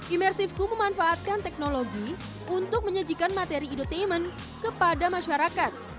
imersifku memanfaatkan teknologi untuk menyajikan materi edotainment kepada masyarakat